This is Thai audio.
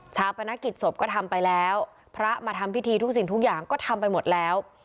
ปนกิจศพก็ทำไปแล้วพระมาทำพิธีทุกสิ่งทุกอย่างก็ทำไปหมดแล้ว